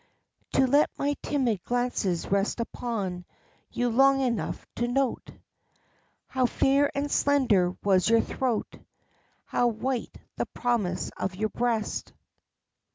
To let my timid glances rest upon you long enough to note How fair and slender was your throat, how white the promise of your breast.